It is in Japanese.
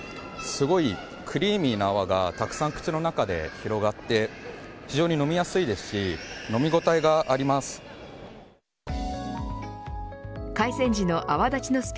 すごいクリーミーな泡がたくさん口の中で広がって非常に飲みやすいですし飲み応えがあります。